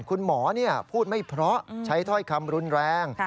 คุณหมอพูดไม่เพราะใช้ถ้อยคำรุนแรง